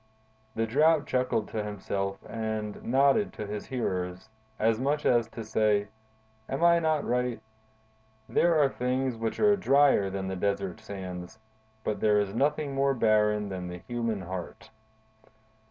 '" The Drought chuckled to himself and nodded to his hearers, as much as to say: "Am I not right? There are things which are drier than the desert sands, but there is nothing more barren than the human heart."